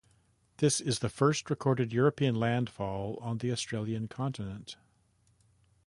This is the first recorded European landfall on the Australian continent.